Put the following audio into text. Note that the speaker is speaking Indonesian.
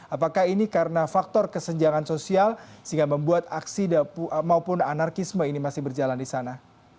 apakah ini karena faktor kesenjangan sosial sehingga membuat aksi maupun anarkisme ini masih berjalan di sana